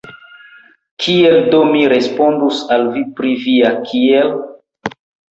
Kiel do mi respondus al vi pri via «kial»?